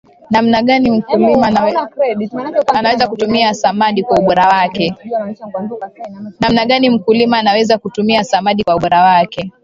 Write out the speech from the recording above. namna gani mkulima anaweza kutumia samadi kwa ubora wake